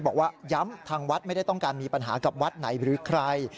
บอกว่าย้ำทางวัดไม่ได้ต้องการมีปัญหากับวัดไหนหรือใคร